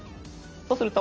そうすると。